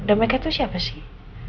dan mereka itu siapa sih